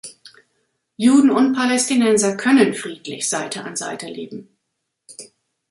Juden und Palästinenser können friedlich Seite an Seite leben.